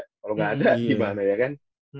kalau nggak ada gimana ya kan